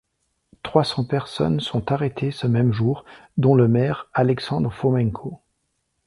Trois cents personnes sont arrêtées ce même jour, dont le maire, Alexandre Fomenko.